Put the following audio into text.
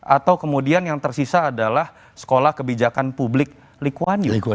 atau kemudian yang tersisa adalah sekolah kebijakan publik lee kuan yew